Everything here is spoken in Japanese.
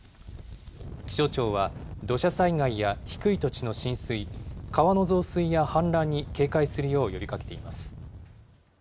気象庁は土砂災害や低い土地の浸水、川の増水や氾濫に警戒するよう呼びかけています。